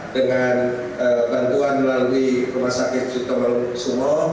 dengan bantuan melalui rumah sakit cipto mangun kusumo